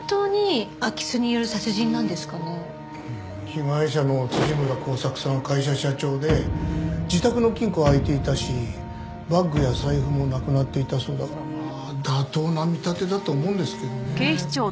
被害者の村幸作さんは会社社長で自宅の金庫は空いていたしバッグや財布もなくなっていたそうだからまあ妥当な見立てだと思うんですけどね。